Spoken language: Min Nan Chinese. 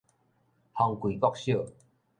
風櫃國小